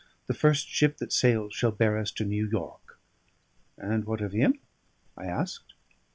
The first ship that sails shall bear us to New York." "And what of him?" I asked.